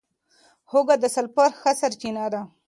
هوږه د سلفر ښه سرچینه ده.